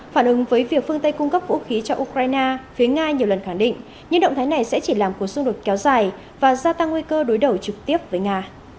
phản ứng với việc phương tây cung cấp vũ khí cho ukraine phía nga nhiều lần khẳng định những động thái này sẽ chỉ làm cuộc xung đột kéo dài và gia tăng nguy cơ đối đầu trực tiếp với nga